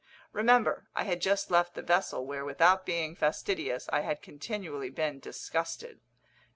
Remember, I had just left the vessel, where, without being fastidious, I had continually been disgusted.